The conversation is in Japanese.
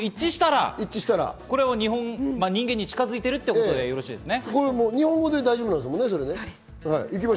にゃんトークも一致したら、人間に近づいているということでよろしいですね？